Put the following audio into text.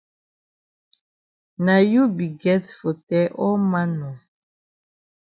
Na you be get for tell all man nor.